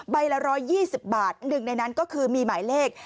ใบละรอยยี่สิบบาทหนึ่งในนั้นก็คือมีหมายเลข